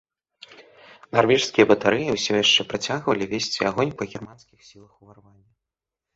Нарвежскія батарэі ўсё яшчэ працягвалі весці агонь па германскіх сілах уварвання.